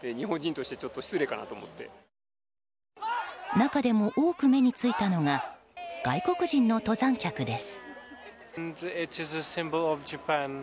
中でも多く目についたのが外国人の登山客です。